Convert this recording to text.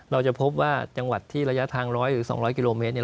เราจะพบว่าจังหวัดที่ระยะทาง๑๐๐หรือ๒๐๐กิโลเมตร